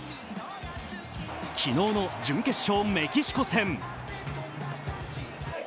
昨日の準決勝メキシコ戦。